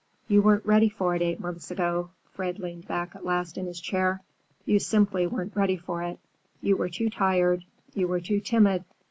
"You weren't ready for it eight months ago." Fred leaned back at last in his chair. "You simply weren't ready for it. You were too tired. You were too timid.